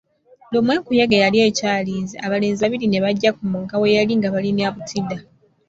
Lumu enkuyege yali eky'alinze, abalenzi babiri ne bajja ku mugga we yali nga balina butidda.